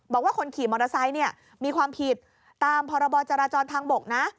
บอกว่าคนขี่มอเตอร์ไซค์มีความผิดตามพรบจราจรทางบกนะ